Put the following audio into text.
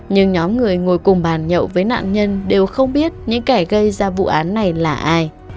nhưng nhóm người ngồi cùng bàn nhậu với nạn nhân đều không biết những kẻ gây ra vụ án này là ai